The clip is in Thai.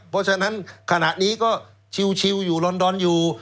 เพราะฉะนั้นขณะนี้ก็ชิวอยู่ลอนดอนอยู่